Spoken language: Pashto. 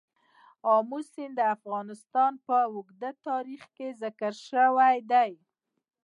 آمو سیند د افغانستان په اوږده تاریخ کې ذکر شوی دی.